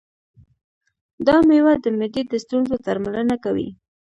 دا مېوه د معدې د ستونزو درملنه کوي.